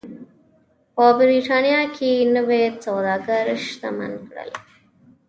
په برېټانیا کې نوي سوداګر شتمن کړل.